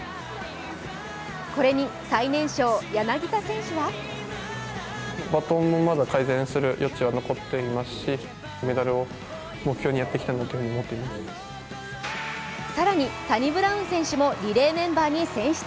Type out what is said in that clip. これに最年少・柳田選手は更にサニブラウン選手もリレーメンバーに選出。